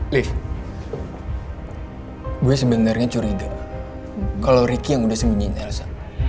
liv gue sebenernya curiga kalo ricky yang udah sembunyiin elsa